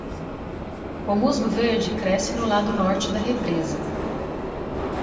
O musgo verde cresce no lado norte da represa.